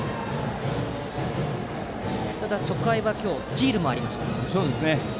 ただ、初回はスチールもありました。